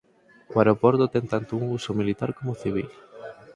O aeroporto ten tanto un uso militar como civil.